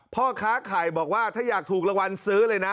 พ่อค้าไข่บอกว่าถ้าอยากถูกรางวัลซื้อเลยนะ